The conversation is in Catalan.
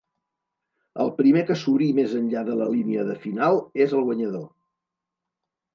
El primer que suri més enllà de la línia de final és el guanyador.